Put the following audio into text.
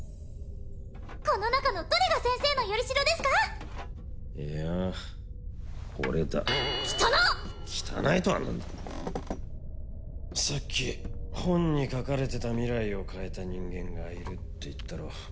この中のどれが先生の依代ですかいやこれだ汚っ汚いとは何ださっき本に書かれてた未来を変えた人間がいるって言ったろ？